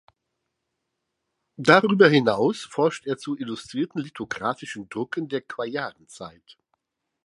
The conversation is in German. Darüber hinaus forscht er zu illustrierten lithographischen Drucken der Qajarenzeit.